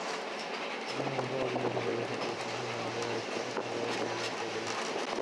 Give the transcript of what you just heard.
অন্যান্য ম্যাকাও পাখিদের সাথে এদের সম্পর্ক সুনিশ্চিত না হলেও এরা স্কারলেট ম্যাকাও এর নিকটাত্মীয়, দেখতে একই রকম।